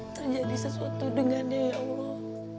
terjadi sesuatu dengan dia ya allah